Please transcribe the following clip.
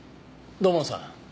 土門さん。